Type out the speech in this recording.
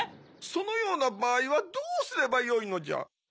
そのようなばあいはどうすればよいのじゃ？